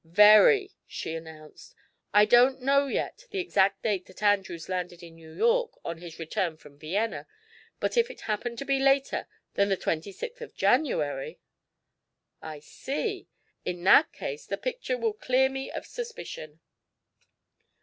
"Very," she announced. "I don't know yet the exact date that Andrews landed in New York on his return from Vienna, but if it happened to be later than the twenty sixth of January " "I see. In that case the picture will clear me of suspicion."